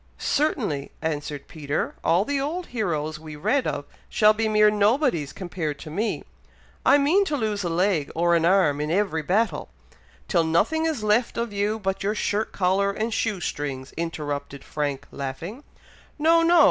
"Certainly," answered Peter. "All the old heroes we read of shall be mere nobodies compared to me! I mean to lose a leg or an arm in every battle," "Till nothing is left of you but your shirt collar and shoe strings," interrupted Frank, laughing. "No! No!